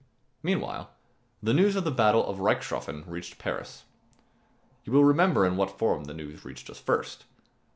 Meanwhile, the news of the battle of Reichshoffen reached Paris. You will remember in what form that news reached us first.